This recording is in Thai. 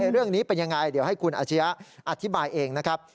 เรื่องนี้เป็นยังไงเดี๋ยวให้คุณอาชียะอธิบายเองนะครับ